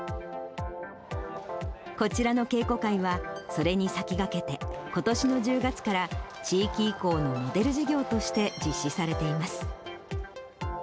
こちらの稽古会は、それに先駆けて、ことしの１０月から地域移行のモデル事業として実施されています。